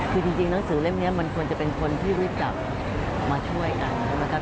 คือจริงหนังสือเล่มนี้มันควรจะเป็นคนที่รู้จักมาช่วยกันนะครับ